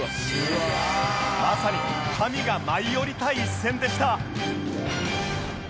まさに神が舞い降りた一戦でしたという事で。